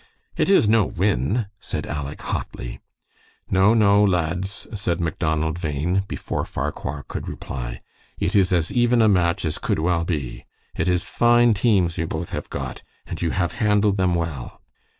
"It is no win," said Aleck, hotly. "No, no, lads," said Macdonald Bhain, before Farquhar could reply. "It is as even a match as could well be. It is fine teams you both have got, and you have handled them well."